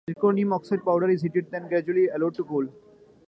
Zirconium oxide powder is heated then gradually allowed to cool.